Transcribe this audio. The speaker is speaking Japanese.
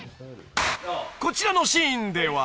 ［こちらのシーンでは］